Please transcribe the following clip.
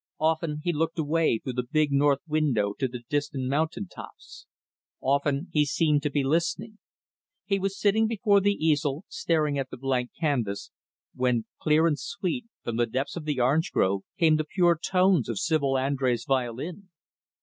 Often, he looked away through the big, north window to the distant mountain tops. Often, he seemed to be listening. He was sitting before the easel, staring at the blank canvas, when, clear and sweet, from the depths of the orange grove, came the pure tones of Sibyl Andrés' violin.